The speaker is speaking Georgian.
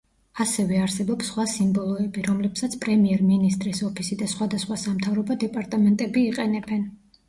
ასევე არსებობს სხვა სიმბოლოები, რომლებსაც პრემიერ მინისტრის ოფისი და სხვადასხვა სამთავრობო დეპარტამენტები იყენებენ.